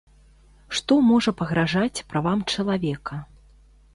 Што можа пагражаць правам чалавека?